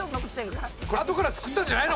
これ後から作ったんじゃないの？